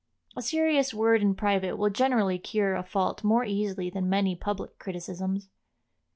A serious word in private will generally cure a fault more easily than many public criticisms.